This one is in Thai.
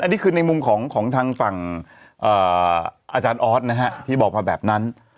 อันนี้คือในมุมของทางฝั่งอาจารย์ออสนะฮะที่บอกมาแบบนั้น